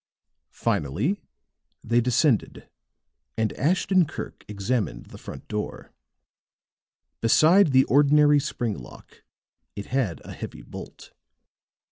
Finally they descended and Ashton Kirk examined the front door. Beside the ordinary spring lock it had a heavy bolt.